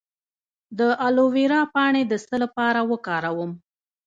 د الوویرا پاڼې د څه لپاره وکاروم؟